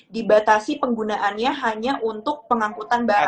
dibatasi penggunaannya hanya untuk pengangkutan barang